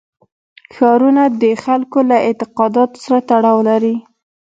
ښارونه د خلکو له اعتقاداتو سره تړاو لري.